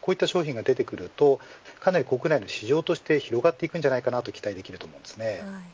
こういった商品が出てくるとかなり国内の市場として広がっていくと期待できると思います。